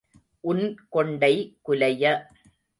உன் கொண்டை குலைய.